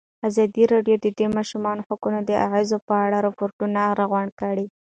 ازادي راډیو د د ماشومانو حقونه د اغېزو په اړه ریپوټونه راغونډ کړي.